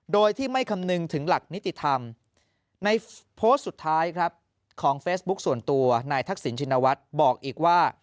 โดยที่ไม่คำนึงถึงหลักนิติธรรมในโพสต์สุดท้ายครับของเฟซบุ๊คส่วนตัวนายทักษิณชินวัฒน์บอกอีกว่า